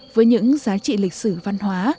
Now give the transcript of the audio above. với những giá trị lịch sử văn hóa